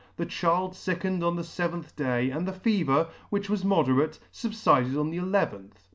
The child fickened on the feventh day, and the fever, which \yas moderate, fubfided on the eleventh.